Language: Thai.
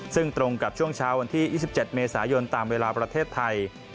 ซึ่งตรงกับช่วงเช้าวันที่๒๗เมษายนตามเวลาประเทศไทย